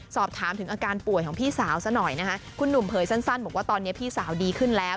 สอบถามถึงอาการป่วยของพี่สาวซะหน่อยนะคะคุณหนุ่มเผยสั้นบอกว่าตอนนี้พี่สาวดีขึ้นแล้ว